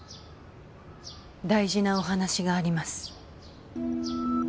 大事なお話があります